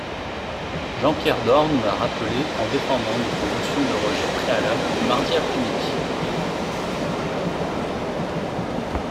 Jean-Pierre Door nous l’a rappelé en défendant notre motion de rejet préalable mardi après-midi.